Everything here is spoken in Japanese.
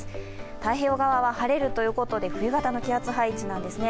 太平洋側は晴れるということで冬型の気圧配置なんですね。